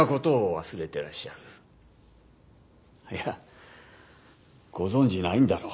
いやご存じないんだろう。